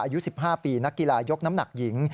อายุ๑๕ปีนักกีฬายกน้ำหนักหญิง